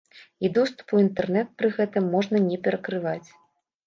І доступ у інтэрнэт пры гэтым можна не перакрываць.